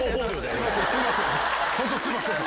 本当すいません。